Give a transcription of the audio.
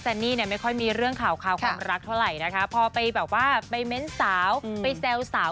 นี่เนี่ยไม่ค่อยมีเรื่องข่าวความรักเท่าไหร่นะคะพอไปแบบว่าไปเม้นสาวไปแซวสาว